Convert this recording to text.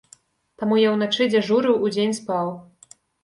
Таму я ўначы дзяжурыў, удзень спаў.